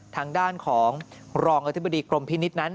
ทางด้านของรองอธิบดีกรมพินิษฐ์นั้น